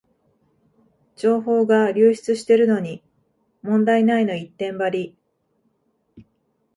情報が流出してるのに問題ないの一点張り